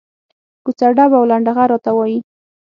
کوڅه ډب او لنډه غر راته وایي.